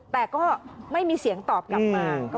แต่ก็ไม่มีเสียงตอบกลับมา